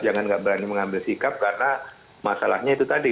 jangan nggak berani mengambil sikap karena masalahnya itu tadi